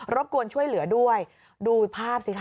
บกวนช่วยเหลือด้วยดูภาพสิคะ